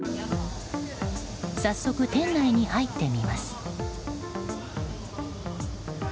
早速、店内に入ってみます。